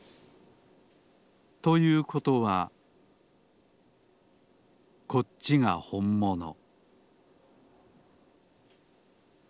ということはこっちがほんもの